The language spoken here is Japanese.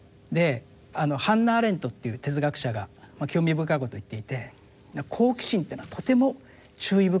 ハンナ・アーレントという哲学者が興味深いことを言っていて「好奇心っていうのはとても注意深くあらねばならない。